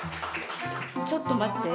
ちょっと待って！